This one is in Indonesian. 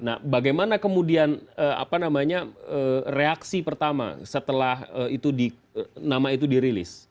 nah bagaimana kemudian apa namanya reaksi pertama setelah itu di nama itu dirilis